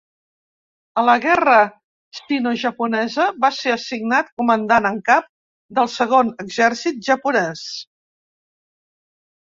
A la guerra sinojaponesa, va ser assignat Comandant en Cap del Segon Exèrcit Japonès.